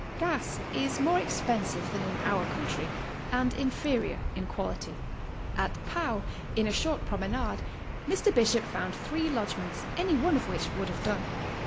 Gas is more expensive than in our country, and inferior in quality. At Pau in a short promenade Mr. Bishop found three lodgements, any one of which would have done.